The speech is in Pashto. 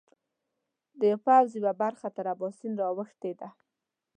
د پوځ یوه برخه تر اباسین را اوښتې ده.